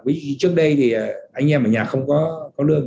ví dụ như trước đây thì anh em ở nhà không có lương